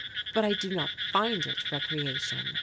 "But I do not find it recreation.